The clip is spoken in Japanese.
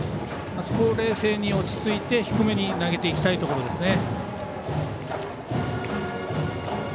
あそこを冷静に落ち着いて低めに投げていきたいところですね。